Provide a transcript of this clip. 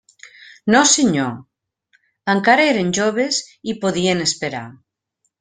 No, senyor; encara eren joves i podien esperar.